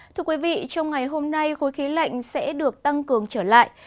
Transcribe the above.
thưa quý vị trong ngày hôm nay khối khí lạnh sẽ được tăng cường trở lại